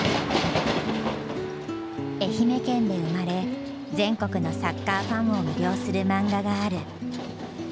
愛媛県で生まれ全国のサッカーファンを魅了するマンガがある。